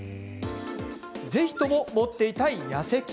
ぜひとも持っていたい、やせ菌。